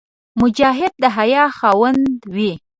مجاهد د حیا خاوند وي.